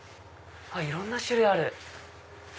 いろんな種類ある。